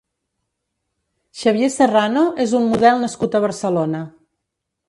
Xavier Serrano és un model nascut a Barcelona.